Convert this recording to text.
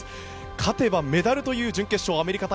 勝てばメダルという準決勝アメリカ対